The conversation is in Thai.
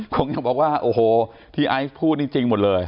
ผมยังบอกว่าโอ้โหที่ไอซ์พูดนี่จริงหมดเลย